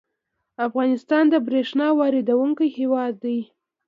افغانستان د بریښنا واردونکی هیواد دی